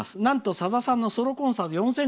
さださんのソロコンサート